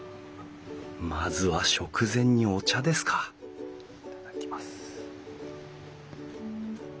まずは食前にお茶ですか頂きます。